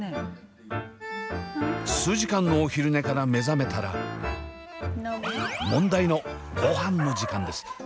数時間のお昼寝から目覚めたら問題のごはんの時間です。